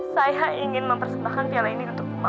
saya ingin mempersembahkan piala ini untuk pemain